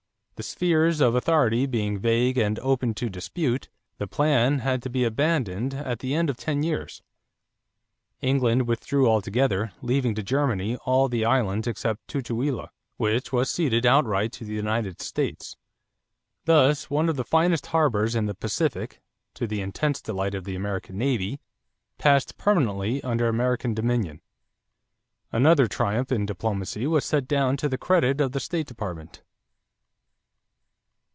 The spheres of authority being vague and open to dispute, the plan had to be abandoned at the end of ten years. England withdrew altogether, leaving to Germany all the islands except Tutuila, which was ceded outright to the United States. Thus one of the finest harbors in the Pacific, to the intense delight of the American navy, passed permanently under American dominion. Another triumph in diplomacy was set down to the credit of the State Department.